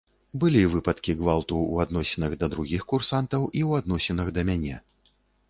Былі выпадкі гвалту ў адносінах да другіх курсантаў і ў адносінах да мяне.